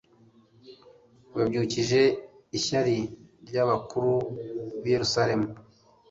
wabyukije ishyari ry'abakuru b'i Yerusalemu.